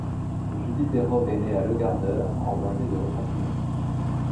Julie Perreault est née à Le Gardeur en banlieue de Repentigny.